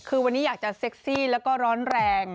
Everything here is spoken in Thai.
คือวันนี้อยากจะเซ็กซี่แล้วก็ร้อนแรง